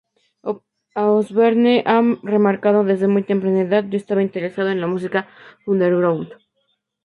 Osborne ha remarcado, "Desde muy temprana edad yo estaba interesado en la música underground.